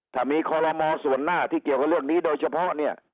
ถ้ามีคอลโลมอส่วนหน้าที่เกี่ยวกับเรื่องนี้โดยเฉพาะเนี่ย